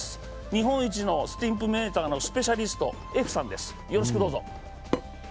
日本一のスティンプメーターのスペシャリストです。